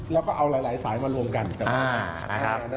แล้วก็เอาหลายสายมารวมกันกับ